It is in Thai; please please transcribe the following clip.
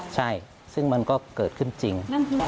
ใช่ซึ่งมันก็เกิดขึ้นจริง